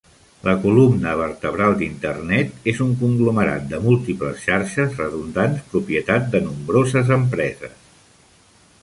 La columna vertebral d'Internet és un conglomerat de múltiples xarxes redundants propietat de nombroses empreses.